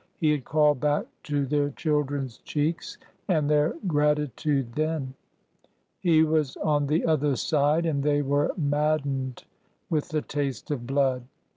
11 he had called back to their children's cheeks, and their gratitude then. He was on the other side, and they were maddened with the taste of blood.